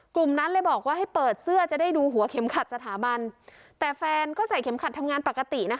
กลุ่มนั้นเลยบอกว่าให้เปิดเสื้อจะได้ดูหัวเข็มขัดสถาบันแต่แฟนก็ใส่เข็มขัดทำงานปกตินะคะ